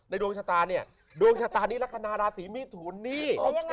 ดวงชะตาเนี่ยดวงชะตานี้ลักษณะราศีมิถุนนี่